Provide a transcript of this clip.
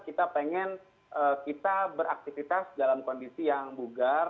kita pengen kita beraktivitas dalam kondisi yang bugar